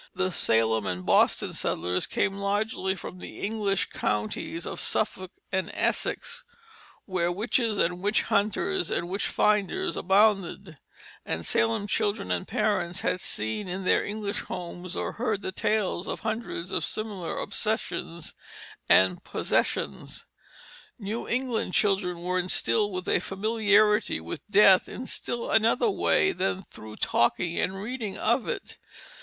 The Salem and Boston settlers came largely from the English counties of Suffolk and Essex, where witches and witch hunters and witch finders abounded, and Salem children and parents had seen in their English homes or heard the tales of hundreds of similar obsessions and possessions. New England children were instilled with a familiarity with death in still another way than through talking and reading of it.